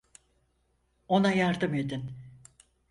Ona yardım edin!